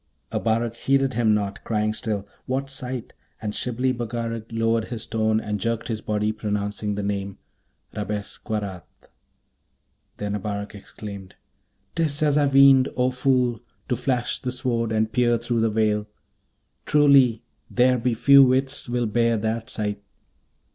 Abarak heeded him not, crying still, 'What sight?' and Shibli Bagarag lowered his tone, and jerked his body, pronouncing the name 'Rabesqurat!' Then Abarak exclaimed, ''Tis as I weened. Oh, fool! to flash the Sword and peer through the veil! Truly, there be few wits will bear that sight!'